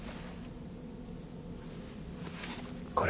これ。